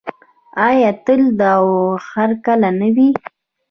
آیا تل او هرکله نه وي؟